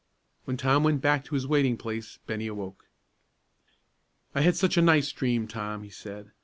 When Tom went back to the waiting place, Bennie awoke. "I had such a nice dream, Tom," he said.